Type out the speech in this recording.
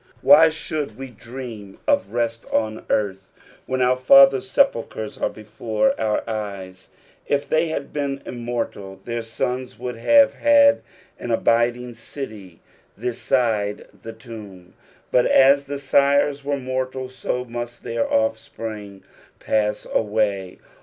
Why should we dream of rest on earth when our fathers' sepulchres are before our eyes ? If they had been immortal, their sons would have had an abiding city this side the tumb ; bat as the sires were mortal, so must their oSspring pass away.